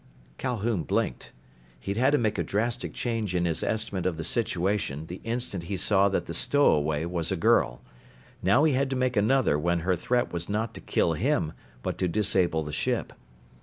Calhoun blinked. He'd had to make a drastic change in his estimate of the situation the instant he saw that the stowaway was a girl. Now he had to make another when her threat was not to kill him but to disable the ship.